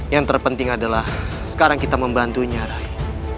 yang terpenting adalah sekarang kita membantunya rai